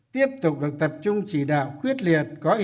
tiếp tục được tập trung chỉ đạo quyết liệt có hiệu quả